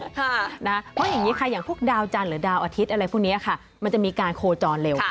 เพราะอย่างนี้ค่ะพวกดาวจานหรือดาวอาทิตย์มันจะมีการโคลจรเว็บ